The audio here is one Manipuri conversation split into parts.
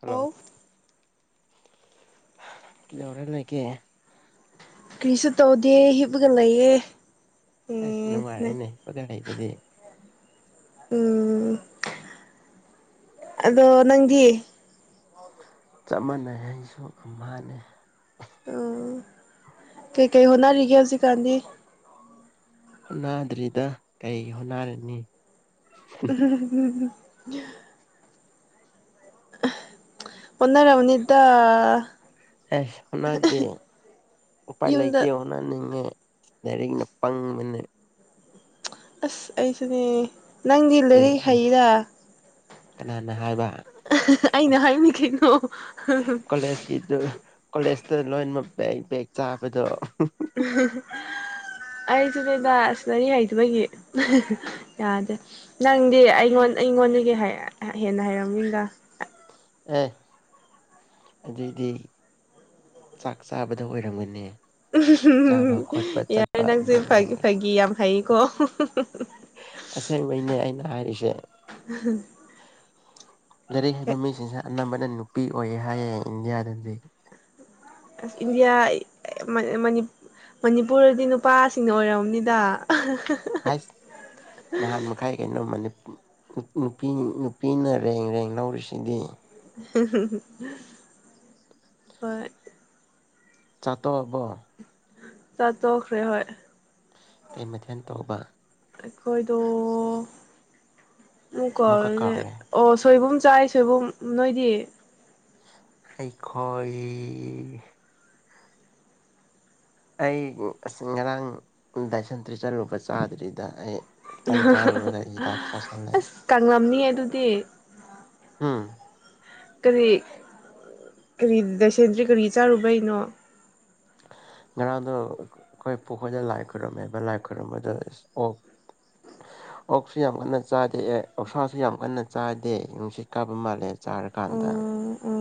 ꯍꯜꯂꯣ ꯑꯣ ꯀꯤꯗꯧꯔ ꯂꯩꯒꯦ ꯀ꯭ꯔꯤꯁꯨ ꯇꯧꯗꯦ ꯍꯤꯞꯄꯒ ꯂꯩꯌꯦꯦ ꯑꯁ ꯅꯨꯡꯉꯥꯏꯔꯦꯅꯦ ꯐꯒꯠ ꯍꯩꯕꯗꯤ ꯎꯝ ꯑꯗꯣ ꯅꯪꯒꯤ ꯆꯞ ꯃꯥꯟꯅꯩ ꯑꯩꯁꯨ ꯃꯥꯥꯟꯅꯩ ꯀꯩ ꯍꯣꯠꯅꯔꯤꯒꯦ ꯍꯧꯖꯤꯛꯀꯥꯟꯗꯤ ꯍꯣꯠꯅꯗ꯭ꯔꯤꯗ ꯀꯔꯤ ꯍꯣꯠꯅꯔꯅꯤ ꯎꯝ ꯌꯥ ꯑꯣꯟꯅꯔ ꯑꯃꯅꯤꯗ ꯑꯦꯁ ꯍꯅꯥꯗꯤ ꯎꯄꯥꯏ ꯌꯨꯝꯗ ꯂꯩꯇꯦ ꯑꯣꯅ ꯅꯤꯡꯉꯦ ꯂꯏꯔꯤꯛꯅ ꯄꯪꯕꯅꯤ ꯑꯁ ꯑꯩꯁꯨꯅꯦ ꯅꯪꯂꯔꯤ ꯁ꯭ꯇꯦꯠꯀꯤ ꯍꯩꯔꯥ ꯀꯅꯥꯅ ꯍꯥꯏꯕ [unintelligible] ꯑꯩꯅ ꯍꯥꯏꯅꯤꯡꯈꯩꯅꯣ ꯀꯣꯂꯦꯖꯀꯤꯗꯨ ꯀꯣꯂꯦꯖꯇ ꯂꯣꯏꯃꯛ ꯕꯦꯛ ꯕꯦꯛ ꯆꯥꯕꯗꯣ [unintelligible] ꯑꯩꯁꯤ ꯀꯩꯗꯅꯔꯤ ꯍꯩꯗꯕꯒꯤ ꯌꯥꯗꯦ ꯅꯪꯗꯤ ꯑꯩꯉꯣꯟ ꯑꯩꯉꯣꯟꯗꯒꯤ ꯍꯦꯟꯅ ꯍꯩꯔꯝꯃꯤꯗ ꯑꯦ ꯑꯗꯨꯏꯗꯤ ꯆꯥꯛ ꯆꯥꯕꯗ ꯑꯣꯏꯔꯝꯒꯅꯤ ꯆꯥꯕ ꯎꯝ ꯈꯣꯠꯄ ꯌꯥꯔ ꯆꯠꯄ ꯅꯪꯁꯦ ꯑꯗꯨꯗ ꯐꯥꯒꯤ ꯑꯣꯏꯔꯝꯒꯅꯤ ꯐꯥꯒꯤ ꯌꯥꯝ ꯍꯥꯏꯀꯣ ꯑꯁꯦꯡꯕꯩꯅꯦ ꯑꯩꯅ ꯒꯥꯔꯤ ꯍꯥꯏꯕ ꯃꯤꯁꯤꯡꯁ ꯑꯅꯝꯕꯅ ꯅꯨꯄꯤ ꯑꯣꯏꯌꯦ ꯍꯥꯏꯌꯦ ꯏꯟꯗꯤꯌꯥꯗꯗꯤ ꯑꯁ ꯏꯟꯗꯤꯌꯥ ꯃꯅꯤꯄꯨꯔꯗꯤ ꯅꯨꯄꯥꯁꯤꯡꯅ ꯑꯣꯏꯔꯝꯝꯅꯤꯗ ꯍꯥꯏꯁ ꯅꯍꯥꯟ ꯃꯈꯥꯏ ꯀꯩꯅꯣ ꯃꯅꯤ ꯅꯨꯄꯤ ꯅꯨꯄꯤꯅ ꯔꯦꯡ ꯔꯦꯡ ꯂꯧꯔꯤꯁꯤꯗꯤ ꯍꯝ ꯍꯣꯏ ꯆꯥꯠꯇꯣꯕꯣ ꯆꯇꯣꯛ ꯇꯦ ꯍꯣꯏ ꯀꯩ ꯃꯊꯦꯜ ꯇꯧꯕ ꯑꯩꯈꯣꯏꯗ ꯑꯃꯨꯛꯀ ꯀꯃꯨꯀꯔ꯭ꯦꯅꯦ ꯀꯥꯎꯔꯦ ꯑꯣ ꯁꯣꯏꯕꯨꯝ ꯆꯥꯏ ꯁꯣꯏꯕꯨꯝ ꯅꯣꯏꯗꯤ ꯑꯩꯏ ꯑꯩ ꯉꯔꯥꯡ ꯗꯥꯏꯁꯟꯇ꯭ꯔꯤ ꯆꯠꯂꯨꯕ ꯆꯥꯗ꯭ꯔꯤꯗ ꯑꯩ ꯈꯤꯇꯪ ꯆꯥꯔꯨꯔꯒ ꯍꯤꯗꯥꯛ ꯆꯥꯥꯁꯜꯂꯦ ꯑꯁ ꯀꯂꯝꯅꯤꯌꯦ ꯑꯗꯨꯗꯤ ꯍꯝ ꯀꯔꯤ ꯀꯔꯤꯗꯁꯦꯟꯗ꯭ꯔꯤ ꯀꯔꯤ ꯆꯥꯔꯨꯕꯩꯅꯣ ꯉꯔꯥꯡꯗꯣ ꯑꯩꯈꯣꯏ ꯄꯨꯈꯣꯏꯗ ꯂꯥꯏ ꯈꯣꯏꯔꯨꯝꯃꯦꯕ ꯂꯥꯏ ꯈꯣꯏꯔꯝꯕꯗ ꯑꯣꯛ ꯑꯣꯛꯁꯨ ꯌꯥꯝ ꯀꯟꯅ ꯆꯥꯗꯦ ꯑꯦ ꯑꯣꯁꯥꯁꯨ ꯌꯥꯝ ꯀꯟꯅ ꯆꯥꯗꯦ ꯅꯨꯡꯁꯤꯠ ꯀꯥꯕ ꯃꯥꯜꯂꯦ ꯑꯣ ꯆꯥꯔꯀꯥꯟꯗ ꯑꯣ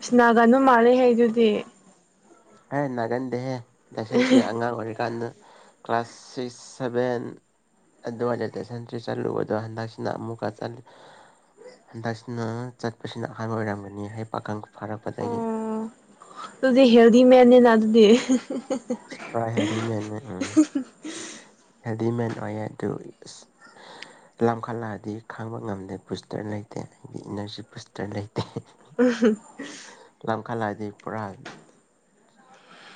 ꯏꯁ ꯅꯥꯒꯅꯨ ꯃꯥꯜꯂꯦ ꯍꯥꯏꯗꯨꯗꯤ ꯑꯦ ꯅꯒꯟꯗꯦꯦ ꯅꯁꯟꯇ꯭ꯔꯤ ꯑꯉꯥꯡ ꯑꯣꯏꯔꯤꯀꯥꯟꯗ ꯀ꯭ꯂꯥꯁ ꯁꯤꯛꯁ ꯁꯚꯦꯟ ꯑꯗꯨꯋꯥꯏꯗ ꯇꯨꯁꯟꯁꯤ ꯆꯠꯂꯨꯕꯗꯣ ꯍꯟꯗꯛꯁꯤꯅ ꯑꯃꯨꯛꯀ ꯍꯟꯗꯛꯁꯤꯅ ꯆꯠꯄꯁꯤꯅ ꯑꯍꯥꯟꯕ ꯑꯣꯏꯔꯝꯒꯅꯤ ꯍꯥꯏ ꯄꯥꯈꯪ ꯐꯥꯔꯛꯄꯗꯒꯤ ꯑꯗꯨ ꯃꯅꯦꯅ ꯑꯗꯨꯗꯤ ꯏꯄꯨꯔꯥ ꯍꯦꯟꯗꯤ ꯃꯟ ꯍꯦꯟꯗꯤꯃꯟ ꯅꯨꯡ ꯌꯥ ꯑꯗꯨ ꯑ ꯂꯝꯈꯠꯂꯛꯑꯗꯤ ꯈꯥꯡꯕ ꯉꯝꯗꯦ ꯕꯨꯁꯇꯔ ꯂꯩꯇꯦ ꯍꯥꯏꯗꯤ ꯏꯅꯔꯖꯤ ꯕꯨꯁꯇꯔ ꯂꯩꯇꯦ ꯎꯝ ꯋꯥꯈꯜꯂ ꯍꯥꯏꯗꯤ ꯄꯨꯔꯥ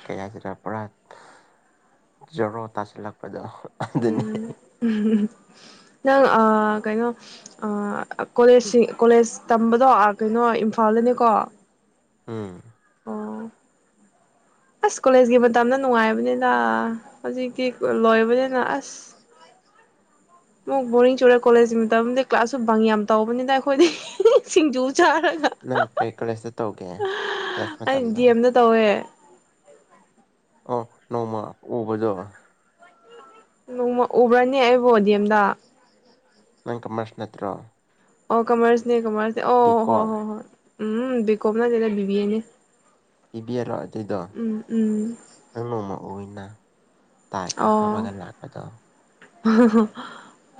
ꯀꯌꯥꯁꯤꯗ ꯄꯨꯔꯥ ꯖꯔꯣ ꯇꯥꯁꯤꯜꯂꯛꯄꯗ ꯎꯝ ꯅꯪ ꯀꯩꯅꯣ ꯀꯣꯂꯦꯖ ꯀꯣꯂꯦꯖ ꯇꯝꯕꯗꯣ ꯀꯩꯅꯣ ꯏꯝꯐꯥꯜꯗꯅꯤꯀꯣ ꯑꯥ ꯑ ꯑꯁ ꯀꯣꯂꯦꯖꯀꯤ ꯃꯇꯝꯗ ꯅꯨꯡꯉꯥꯏꯕꯅꯤꯗ ꯍꯧꯖꯤꯛꯇꯤ ꯂꯣꯏꯕꯅꯤꯅ ꯑꯁ ꯑꯃꯨꯛ ꯕꯣꯔꯤꯡ ꯆꯨꯔꯦ ꯀꯣꯂꯦꯖꯀꯤ ꯃꯇꯝꯗ ꯀ꯭ꯂꯥꯁꯁꯨ ꯕꯪ ꯌꯥꯝ ꯇꯧꯕꯅꯤꯗ ꯑꯩꯈꯣꯏꯗꯤ ꯁꯤꯡꯖꯨ ꯆꯥꯔꯒ ꯅꯪ ꯀꯩ ꯀꯣꯂꯦꯖꯇ ꯇꯧꯒꯦ ꯀꯣꯂꯦꯖ ꯃꯇꯝꯗꯣ ꯍꯥꯏꯗꯤ ꯑꯝꯇ ꯇꯧꯋꯦ ꯅꯣꯡꯃ ꯎꯕꯗꯣ ꯅꯣꯡꯃ ꯎꯕ꯭ꯔꯅꯦ ꯑꯩꯕꯨ ꯗꯤ ꯑꯦꯝꯗ ꯅꯪ ꯀꯃꯔꯁ ꯅꯠꯇ꯭ꯔꯣ ꯑꯣ ꯀꯃꯔꯁꯅꯦ ꯀꯃꯔꯁ ꯑꯣ ꯕꯤ ꯍꯣ ꯀꯣꯝ ꯍꯣ ꯍꯣ ꯎꯝ ꯕꯤ ꯀꯣꯝ ꯅꯠꯇꯦ ꯕꯤ ꯕꯤ ꯑꯦꯅꯤ ꯕꯤꯕꯤ ꯑꯦꯔꯣ ꯑꯗꯨꯏꯗꯣ ꯅꯪ ꯅꯣꯡꯃ ꯎꯏꯅ ꯇꯥꯏꯀ ꯑꯣ ꯍꯥꯞꯄꯒ ꯂꯥꯛꯄꯗꯣ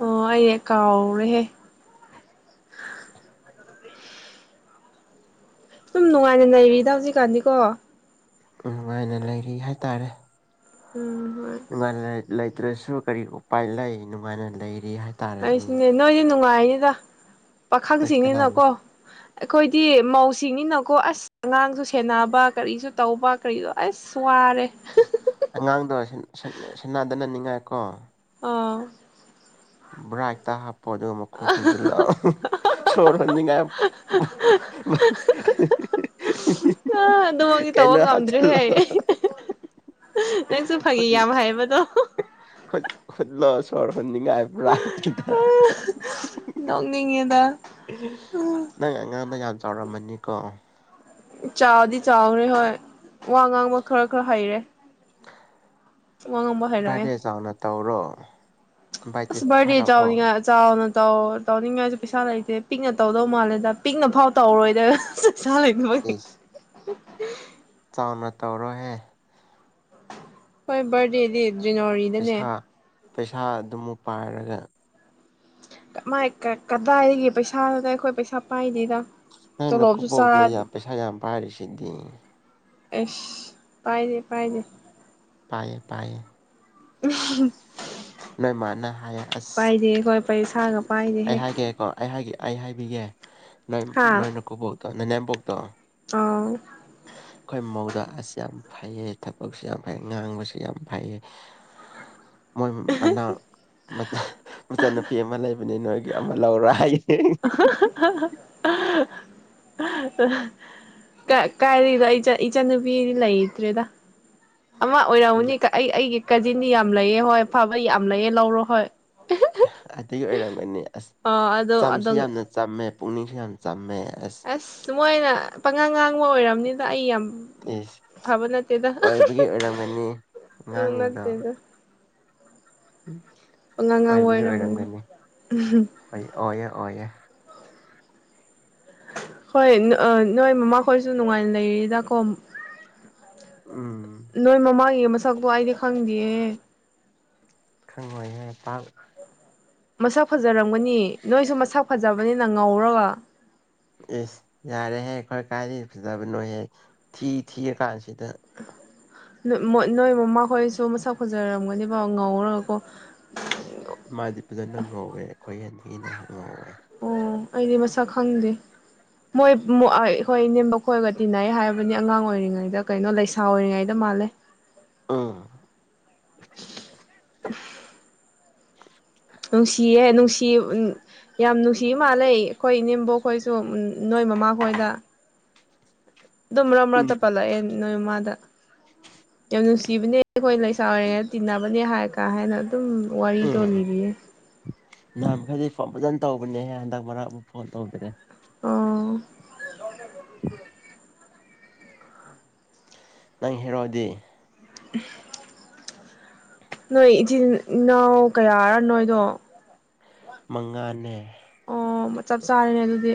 ꯑꯣ ꯑꯩ ꯀꯣꯎ ꯔꯦꯍꯦ ꯁꯨꯝ ꯅꯨꯡꯉꯥꯏꯅ ꯂꯩꯔꯤꯗ ꯍꯧꯖꯤꯛꯀꯥꯟꯗꯤꯀꯣ ꯅꯨꯡꯉꯥꯏꯅ ꯂꯩꯔꯤ ꯍꯥꯏꯇꯥꯔꯦ ꯎꯝ ꯍꯣꯏ ꯂ ꯇ꯭ꯔꯁꯨ ꯀꯔꯤ ꯎꯄꯥꯏ ꯂꯩ ꯅꯨꯡꯉꯥꯏꯅ ꯂꯩꯔꯤ ꯍꯥꯏꯇꯥꯔꯅꯤ ꯑꯩꯁꯨꯅꯦ ꯅꯣꯏꯗꯤ ꯅꯨꯡꯉꯥꯏꯅꯤꯗ ꯏꯁ ꯀꯅꯥꯅ ꯄꯥꯈꯪꯁꯤꯡꯅꯤꯅꯀꯣ ꯑꯩꯈꯣꯏꯗꯤ ꯃꯧꯁꯤꯡꯅꯤꯅ ꯀꯣ ꯑꯁ ꯑꯉꯥꯡꯁꯨ ꯁꯦꯟꯅꯕ ꯀꯔꯤꯁꯨ ꯇꯧꯕ ꯀꯔꯤꯗꯣ ꯑꯁ ꯋꯥꯔꯦ ꯑꯉꯥꯡꯗꯣ ꯁꯦꯅ ꯗꯅꯅꯤꯡꯉꯥꯏ ꯀꯣ ꯑꯥ ꯚ꯭ꯔꯥꯏꯠꯇ ꯍꯥꯞ ꯄꯣꯠ ꯑꯗꯨꯒ ꯃꯈꯨꯝ ꯈꯨꯝꯖꯤꯜꯂꯛꯑꯣ ꯁꯣꯔ ꯍꯣꯟꯅꯤꯡꯉꯥꯏ ꯑꯗꯨꯃꯛꯇꯤ ꯇꯧꯕ ꯀꯩꯅꯣ ꯉꯝꯗ꯭ꯔꯦꯍꯦ ꯍꯥꯞꯆꯤꯜꯂꯛ ꯅꯪꯁꯨ ꯐꯥꯒꯤ ꯌꯥꯝ ꯍꯩꯕꯗꯣ ꯍꯨꯠꯂꯣ ꯁꯣꯔ ꯅꯤꯡꯉꯥꯏꯕ꯭ꯔꯥꯗ ꯅꯣꯛꯅꯤꯡꯉꯦꯗ ꯅꯪ ꯑꯉꯥꯡ ꯆꯥꯎꯔꯝꯃꯅꯤꯀꯣ ꯏꯆꯥꯗꯤ ꯆꯥꯎꯔꯦ ꯍꯣꯏ ꯋꯥ ꯉꯥꯡꯕ ꯈꯔ ꯈꯔ ꯍꯩꯔꯦ ꯋꯥ ꯉꯥꯡꯕ ꯍꯩꯔꯛꯑꯦ ꯕꯥꯔꯗꯦ ꯆꯥꯎꯅ ꯇꯧꯔꯣ ꯏꯟꯚꯥꯏꯇꯦꯁ ꯑꯁ ꯗꯤ ꯊꯥꯔꯛꯑꯣ ꯆꯥ ꯆꯥ ꯧ ꯇꯧꯅꯤꯡꯉꯥꯏꯁꯨ ꯄꯩꯁꯥ ꯂꯩꯇꯦ ꯄꯤꯛꯅ ꯇꯧꯗꯧ ꯃꯥꯜꯂꯦꯗ ꯄꯤꯛꯅꯐꯥꯎ ꯇꯧꯔꯣꯏꯗ ꯆꯂ ꯏ ꯃꯥ ꯑ ꯏꯁ ꯆꯥꯎꯅ ꯇꯧꯔꯣꯏꯍꯦ ꯍꯣꯏ ꯔꯗꯦꯗꯤ ꯖꯅꯋꯥꯔꯤꯗꯅꯦ ꯄꯩꯁꯥꯗꯨꯃꯨꯛ ꯄꯥꯏꯔꯒ ꯃꯥꯏ ꯀꯗꯥꯏꯒ ꯄꯩꯁꯥꯅ ꯑꯩꯈꯣꯏ ꯄꯩꯁꯥ ꯄꯥꯏꯅꯤꯗ ꯅ ꯅꯈꯨꯣꯣꯛꯗ ꯌꯥꯝ ꯄꯩꯁꯥ ꯄꯥꯏꯔꯤꯦ ꯁꯤꯗꯤ ꯑꯦꯁ ꯄꯥꯏꯅꯦꯦ ꯄꯥꯏꯅꯦꯦ ꯄꯥꯏꯌꯦ ꯄꯥꯏꯌꯦ ꯎꯝ ꯅꯣꯏ ꯃꯥꯅ ꯍꯥꯏꯌꯦ ꯑꯁ ꯊꯥꯒ ꯑꯩ ꯄꯥꯏꯔꯦꯍꯦ ꯍꯥꯏꯒꯦꯀꯣ ꯑꯩ ꯍꯥꯏꯒꯦ ꯑꯩ ꯍꯥꯏꯕꯤꯒꯦ ꯅꯣꯏ ꯅꯣꯏꯅ ꯀꯕꯣ ꯇ ꯅ ꯅꯅꯦꯦꯝꯄꯣꯛ ꯇꯣ ꯑꯣ ꯑꯩꯈꯣꯏ ꯃꯧꯗ ꯑꯁ ꯌꯥꯝ ꯐꯩꯌꯦ ꯊꯕꯛꯁꯨ ꯌꯥꯝ ꯐꯩ ꯉꯥꯡꯕꯁꯨ ꯌꯥꯝ ꯐꯩꯌꯦ ꯃꯣꯏ ꯃꯅꯥ ꯑꯃ ꯂꯩꯕꯅꯦ ꯅꯣꯏ ꯑꯃ ꯂꯧꯔ ꯑꯩ [unintelligible] ꯑ ꯑ ꯀ ꯀꯥꯏꯔꯤꯗꯏ ꯆ ꯏꯆꯥꯟꯅꯨꯄꯤꯗꯤ ꯂꯩꯇ꯭ꯔꯦꯗ ꯑꯃ ꯑꯣꯏꯔꯝꯎꯅꯤ ꯑꯩ ꯑꯩꯒꯤ ꯀꯥꯖꯤꯟꯗꯤ ꯌꯥꯝ ꯂꯩꯑꯦ ꯍꯣꯏ ꯐꯕ ꯌꯥꯝ ꯂꯩꯑꯦ ꯂꯧꯔꯣ ꯍꯣꯏ ꯑꯗꯨꯒꯤ ꯑꯣꯏꯔꯝꯒꯅꯤ ꯑꯁ ꯑ ꯑꯗꯣ ꯆꯝꯁꯨ ꯑꯗꯨꯝ ꯌꯥꯝꯅ ꯆꯝꯃꯦ ꯄꯨꯅꯤꯁ ꯆꯝꯃꯦ ꯑꯁ ꯃꯣꯏꯅ ꯄꯪꯉꯥꯡ ꯉꯥꯛ ꯑꯣꯏꯔꯕꯅꯤꯅ ꯑꯩ ꯌꯥꯝ ꯑꯦꯁ ꯐꯕ ꯅꯠꯇꯦꯗ ꯑꯣꯏꯕꯒꯤ ꯑꯣꯏꯔꯝꯒꯅꯤ ꯎꯝ ꯑꯉꯥꯡꯉꯗꯣ ꯅꯠꯇꯦꯗ ꯎꯝ ꯄꯪꯉꯥꯡ ꯉꯥꯡꯕ ꯑꯣꯏꯕꯒꯤ ꯑꯣꯏꯔꯝꯒꯅꯤ ꯑꯣꯏꯌꯦ ꯑꯣꯏꯌꯦꯦ ꯍꯣꯏ ꯅꯣꯏ ꯃꯃꯥꯈꯣꯏꯁꯨ ꯅꯨꯡꯉꯥꯏꯅ ꯂꯩꯔꯤꯗꯀꯣ ꯎꯝ ꯅꯣꯏ ꯃꯃꯥ ꯌꯦꯡ ꯁꯛꯗ ꯑꯏꯗꯤ ꯈꯪꯗꯌꯦ ꯈꯪꯣꯏ ꯄ ꯃꯁꯥ ꯐꯖꯔꯝꯒꯅꯤ ꯅꯣꯏꯁꯨ ꯃꯁꯥ ꯐꯖꯕꯅꯤꯅ ꯉꯧꯔꯒ ꯑꯦꯁ ꯌꯥꯔꯦꯍꯦ ꯑꯩꯈꯣꯏ ꯀꯥꯏꯗꯒꯤ ꯐꯖꯕꯅꯣꯍꯦ ꯊꯤ ꯊꯤꯔ ꯀꯥꯟꯁꯤꯗ ꯅꯣꯏ ꯃꯃꯥꯈꯣꯏꯁꯨ ꯃꯁꯛ ꯈꯣꯟꯖꯔꯝꯒꯅꯦꯕ ꯉꯧꯔꯒꯀꯣ ꯑꯩꯈꯣꯏꯦꯟꯟꯅ ꯍꯪꯉꯋꯦ ꯑꯣ ꯑꯩꯗꯤ ꯃꯁꯛ ꯈꯪꯗꯦ ꯃꯣꯏ ꯑꯩꯈꯣꯏ ꯏ ꯅꯦꯝꯕ ꯈꯣꯏꯔꯒ ꯇꯤꯟꯅꯩ ꯍꯥꯏꯕꯅꯤ ꯑꯉꯥꯡ ꯑꯣꯏꯔꯤꯉꯩꯗ ꯀꯩꯅꯣ ꯂꯩꯁꯥ ꯑꯣꯏꯔꯤꯉꯩꯗ ꯃꯥꯜꯂꯦ ꯑꯥ [unintelligible] [unintelligible] ꯅꯨꯡꯁꯤꯌꯦꯦ ꯅꯨꯡꯁꯤ ꯌꯥꯝ ꯅꯨꯡꯁꯤ ꯃꯥꯜꯂꯦ ꯑꯩꯈꯣꯏ ꯏꯅꯦꯦꯝꯕ ꯈꯣꯏꯁꯨ ꯅꯣꯏ ꯃꯃꯥ ꯈꯣꯏꯗ ꯑꯗꯨꯝ꯭ꯔꯝ꯭ꯔ ꯎꯝ ꯇꯄꯂ ꯌꯦ ꯅ ꯏꯃꯗ ꯌꯥꯝ ꯅꯨꯡꯁꯤꯕꯅꯦ ꯑꯩꯈꯣꯏ ꯂꯩꯁꯥ ꯑꯣꯏꯔꯤꯉꯩ ꯇꯤꯟꯅꯕꯅꯦ ꯍꯥꯏꯔ ꯀ ꯍꯥꯏꯅ ꯑꯗꯨꯝ ꯋꯥꯔꯤꯔꯤ ꯎꯝ ꯇꯅꯤꯔꯤꯦ ꯅꯍꯥꯟ ꯃꯈꯩꯗꯤ ꯐꯣꯟ ꯐꯖꯅ ꯇꯧꯕꯅꯦꯍꯦ ꯍꯟꯗꯛ ꯃꯔꯛ ꯑꯃꯨꯛ ꯐꯣꯟ ꯇꯧꯗꯔꯦ ꯑꯣ ꯅꯪ ꯍꯔꯑꯣꯗꯤ ꯅꯣꯏ ꯏꯆꯤꯟ ꯏꯅꯥꯎ ꯀꯌꯥꯔ ꯅꯣꯏꯗꯣ ꯃꯉꯥꯅꯦ ꯑꯣ ꯆꯞ ꯆꯥꯔꯅꯦ ꯑꯗꯨꯗꯤ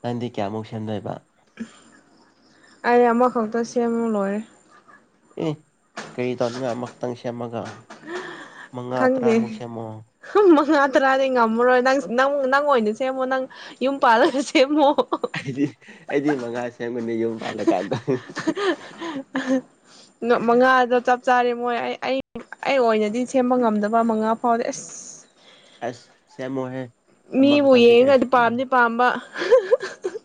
ꯅꯥꯟꯗꯤ ꯀꯌꯥꯃꯨꯛ ꯁꯦꯝꯗꯣꯏꯕ ꯑꯩ ꯑꯃꯈꯛꯇ ꯁꯦꯝꯃꯨ ꯂꯣꯏꯔꯦ ꯑꯦ ꯀꯩ ꯇꯧꯅꯤꯡꯉ ꯑꯃ ꯇꯪꯁꯤꯃꯒ ꯃ ꯉꯥ ꯇ꯭ꯔꯥꯃꯨꯁꯦꯃꯣ ꯉꯥ ꯇꯔꯥꯗꯤꯩ ꯉꯝꯃꯔꯣꯏ ꯅꯪꯪ ꯅꯪ ꯑꯣꯏꯅ ꯁꯦꯝꯃꯣ ꯅꯪ ꯌꯨꯝ ꯄꯥꯜꯂꯒ ꯁꯦꯝꯃꯣ ꯑꯩꯗꯤ ꯑꯩꯗꯤ ꯃꯉꯥ ꯁꯦꯝꯕꯅꯤ ꯌꯨꯝ ꯄꯥꯜꯂꯀꯥꯟꯗ ꯃꯉꯥꯗꯣ ꯆꯞ ꯆꯥ ꯌꯥꯔꯦ ꯃꯣꯏ ꯑꯩ ꯑꯩ ꯑꯩ ꯑꯣꯏꯅꯗꯤ ꯁꯦꯝꯕ ꯉꯝꯗꯕ ꯃꯉꯥ ꯐꯥꯎꯗꯤ ꯑꯁ ꯑꯁ ꯁꯦꯃꯣꯍꯦ ꯃꯤꯕꯨ ꯌꯦꯡꯒꯗꯤ ꯄꯥꯝꯗꯤ ꯄꯥꯝꯕ [unintelligible]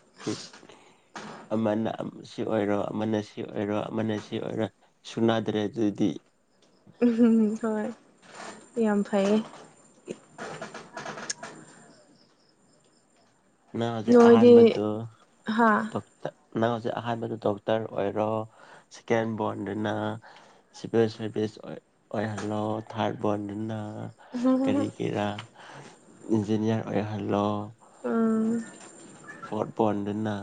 ꯑꯃꯅ ꯁꯤ ꯑꯣꯏꯔꯣ ꯑꯃꯅ ꯁꯤ ꯑꯣꯏꯔꯣ ꯑꯃꯅ ꯁꯤ ꯑꯣꯏꯔꯣ ꯁꯨꯅꯥꯗ꯭ꯔꯦ ꯑꯗꯨꯗꯤ ꯍꯣꯏ ꯌꯥꯝ ꯐꯩꯌꯦ ꯅꯖꯤꯦ ꯑꯍꯥꯟ ꯃꯗꯨ ꯅꯣꯏꯗꯤ ꯍꯥ ꯇꯇ ꯅꯪ ꯍꯧꯖꯤꯛ ꯑꯍꯥꯟꯕꯗ ꯗꯣꯛꯇꯔ ꯑꯣꯏꯔꯣ ꯁꯦꯀꯦꯟ ꯕꯣꯔꯟꯗꯅ ꯁꯤꯚꯤꯜ ꯁꯥꯔꯚꯤꯁ ꯑꯣꯏꯍꯜꯂꯣ ꯊꯥꯔꯠ ꯕꯣꯔꯟꯗꯅ ꯀꯔꯤ ꯎꯝ ꯀꯦꯔꯥ ꯏꯟꯖꯤꯅꯤꯌꯥꯔ ꯑꯣꯏꯍꯜꯂꯣ ꯑ ꯐꯠ ꯐꯗꯅ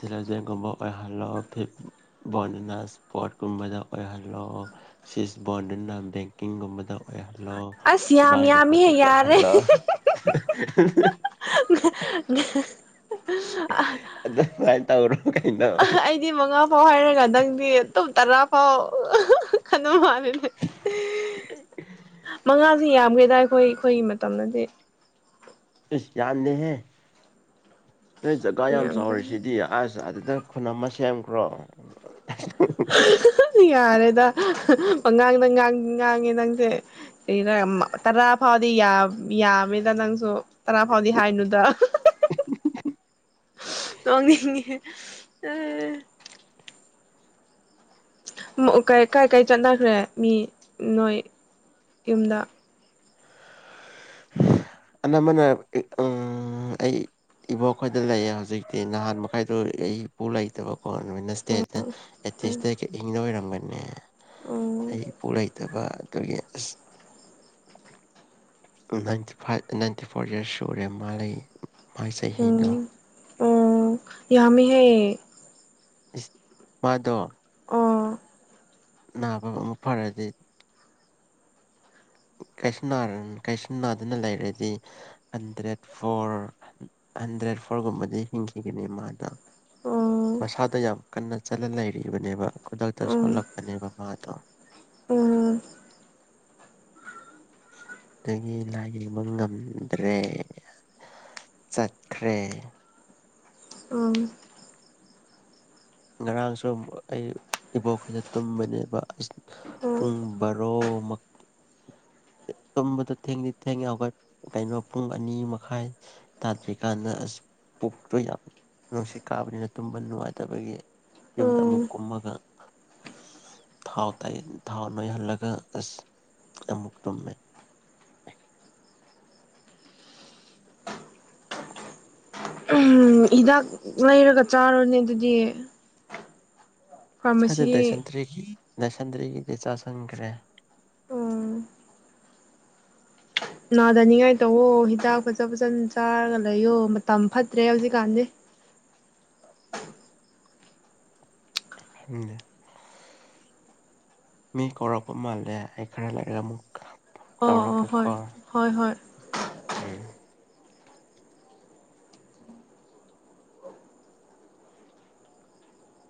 ꯊꯂꯖꯒꯨꯝꯕ ꯑꯣꯏꯍꯜꯂꯣ ꯐꯤ ꯕꯣꯟꯗꯅ ꯏꯁꯄꯣꯔꯠꯀꯨꯝꯕꯗ ꯑꯣꯏꯍꯜꯂꯣ ꯁꯤꯁ ꯕꯣꯟꯗꯅ ꯕꯦꯡꯀꯤꯡꯒꯨꯝꯕꯗ ꯑꯣꯏꯍꯜꯂꯣ ꯂꯣ ꯑꯁ ꯌꯥꯝ ꯁꯤꯃꯒ ꯃꯠꯇ ꯌꯥꯝꯃꯤꯍꯦ ꯆꯠ ꯌꯥꯔꯦ ꯍꯜꯂꯣ [unintelligible] ꯑꯗꯨ ꯐꯥꯏ ꯇꯧꯔꯣ ꯀꯩꯅꯣ ꯑꯩꯗꯤ ꯃꯉꯥ ꯐꯥꯎ ꯍꯥꯏꯔꯒ ꯅꯪꯗꯤ ꯑꯗꯨ ꯇꯔꯥ ꯄꯥꯎ ꯈꯟꯗ ꯃꯥ ꯃꯉꯥꯁꯦ ꯌꯥꯝꯈ꯭ꯔꯦ ꯁꯤꯗ ꯑꯩꯈꯣꯏ ꯑꯩꯈꯣꯏꯒꯤ ꯃꯇꯝꯗꯗꯤ ꯏꯁ ꯌꯥꯥꯟꯅꯦ ꯍ ꯑꯩ ꯖꯒꯥ ꯌꯥꯝ ꯌꯥꯝꯈ꯭ꯔꯦ ꯆꯥꯎꯔꯤꯁꯤꯗꯤ ꯑꯁ ꯑꯗꯨꯗ ꯈꯨꯟ ꯑꯃ ꯁꯦꯝꯈ꯭ꯔꯣ ꯌꯥꯔꯦꯗ ꯑꯉꯥꯡꯗꯥꯡ ꯉꯥꯡꯉꯦ ꯅꯪꯁꯦ ꯀ ꯇꯔꯥ ꯐꯥꯎꯗꯤ ꯌꯥꯝꯃꯦꯗ ꯅꯪꯁꯨ ꯇꯔꯥ ꯐꯥꯎꯗꯤ ꯍꯥꯏꯅꯨꯗ ꯇꯣꯡꯅꯤꯡꯉꯦ ꯃ ꯀ ꯀꯥꯏ ꯀꯥꯏ ꯆꯠꯅꯈ꯭ꯔꯦ ꯃꯤ ꯅꯣꯏ ꯌꯨꯝꯗ ꯑꯅꯝꯕꯅ ꯑꯩ ꯏꯕꯣꯛꯈꯣꯏꯗ ꯂꯩꯌꯦ ꯍꯧꯖꯤꯛꯇꯤ ꯅꯍꯥꯟ ꯃꯈꯥꯏꯗꯣ ꯑꯩ ꯏꯄꯨ ꯂꯩꯇꯕ ꯀꯣ ꯅꯨꯃꯤꯠꯇꯦ ꯑꯦꯠꯁꯇ ꯏꯪꯗ ꯑꯣꯏꯔꯝꯒꯅꯤ ꯑ ꯎꯝ ꯑꯩ ꯏꯄꯨ ꯂꯩꯩꯇꯕ ꯑꯗꯨꯒꯤ ꯅꯥꯏꯟꯇꯤ ꯐꯥꯏꯚ ꯅꯥꯏꯟꯇꯤ ꯐꯣꯔ ꯏꯔꯁꯁꯨ ꯎꯨꯔꯦ ꯃꯥ ꯂꯩ ꯃꯥꯏ ꯆꯍꯤꯅꯣ ꯑꯣ ꯌꯥ ꯃ ꯍ ꯏꯁ ꯃꯥꯗꯣ ꯑꯣ ꯅꯥꯕ ꯑꯃꯨꯛ ꯐꯔꯗꯤ ꯀꯁ ꯀꯩꯁꯟꯅꯥꯗꯅ ꯂꯩꯔꯗꯤ ꯍꯟꯗ꯭ꯔꯦꯠ ꯐꯣꯔ ꯍꯟꯗ꯭ꯔꯦꯠ ꯐꯣꯔꯒꯨꯝꯕꯗꯤ ꯍꯤꯡꯈꯤꯒꯅꯤ ꯃꯥꯅ ꯑꯣ ꯃꯁꯥꯗ ꯌꯥꯝ ꯀꯟꯅꯖ ꯆꯠꯂ ꯂꯩꯔꯤꯕꯅꯦꯕ ꯈꯨꯗꯛꯇ ꯎꯝ ꯁꯣꯜꯂꯛꯄꯅꯦ ꯕꯕꯥꯥꯗꯣ ꯎꯝ ꯑꯗꯒꯤ ꯂꯥꯏꯌꯦꯡꯕ ꯉꯝꯗ꯭ꯔꯦ ꯆꯠꯈ꯭ꯔꯦ ꯑ ꯉꯔꯥꯡꯁꯨ ꯑꯃꯨꯛ ꯑꯩ ꯏꯕꯣꯛꯈꯗ ꯇꯨꯝꯕꯅꯦꯕ ꯎꯝ ꯄꯨꯡ ꯕꯥꯔꯣꯃ ꯇꯨꯝꯕꯗ ꯊꯦꯡꯗꯤ ꯊꯦꯡ ꯌꯥꯎꯒ ꯀꯩꯅꯣ ꯄꯨꯡ ꯑꯅꯤ ꯃꯈꯥꯏ ꯇꯥꯗ꯭ꯔꯤꯀꯥꯟꯗ ꯑꯁ ꯄꯨꯛꯇꯣ ꯌꯥꯝ ꯅꯨꯡꯁꯤꯠ ꯀꯥꯕꯅꯤꯅ ꯇꯨꯝꯕ ꯅꯨꯡꯉꯥꯏꯇꯕꯒꯤ ꯌꯨꯝꯗ ꯃꯨꯛꯀꯨꯃꯒꯥꯡ ꯊꯥꯎ ꯇꯥꯏ ꯊꯥꯎ ꯅꯣꯏꯍꯜꯂꯒ ꯑꯁ ꯑꯃꯨꯛ ꯇꯨꯝꯃꯦ ꯎꯝ ꯍꯤꯗꯥꯛ ꯂꯩꯔꯒ ꯆꯥꯔꯨꯔꯅꯦ ꯑꯗꯨꯗꯤ ꯐꯥꯔꯃꯥꯁꯤ ꯁꯔꯗꯦꯗꯁꯟꯇꯔꯦ ꯂꯁꯟꯗ꯭ꯔꯔꯤꯒꯤꯗꯤ ꯆꯥꯁꯤꯪꯈ꯭ꯔꯦ ꯎꯝ ꯅꯥꯗꯅꯤꯡꯉꯥꯏ ꯇꯧꯑꯣ ꯍꯤꯗꯥꯛ ꯐꯖ ꯐꯖꯅ ꯆꯥꯔꯒ ꯂꯩꯌꯣ ꯃꯇꯝ ꯐꯠꯇ꯭ꯔꯦ ꯍꯧꯖꯤꯛꯀꯥꯟꯗꯤ ꯃꯤ ꯀꯣꯔꯣ ꯀꯃꯜꯗ ꯑꯩꯈꯔ ꯂꯥꯛꯒꯦ ꯃꯛ ꯑꯣ ꯑꯣ ꯍꯣꯏ ꯇꯧꯔꯛꯀꯦꯀꯣ ꯍꯣꯏ ꯍꯣꯏ ꯎꯝ